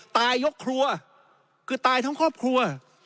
ตายยกครัวคือตายทั้งครอบครัว